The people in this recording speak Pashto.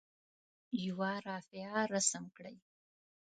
یوه رافعه رسم کړئ.